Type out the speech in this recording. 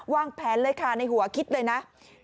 วางแผนเลยค่ะในหัวคิดเลยนะ